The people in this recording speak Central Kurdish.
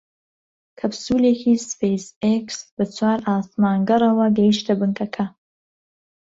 کەپسوولێکی سپەیس ئێکس بە چوار ئاسمانگەڕەوە گەیشتە بنکەکە